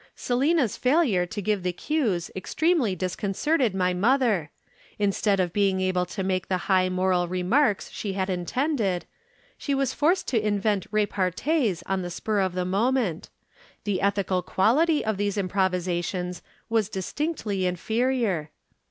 "Selina's failure to give the cues extremely disconcerted my mother. Instead of being able to make the high moral remarks she had intended, she was forced to invent repartées on the spur of the moment. The ethical quality of these improvisations was distinctly inferior.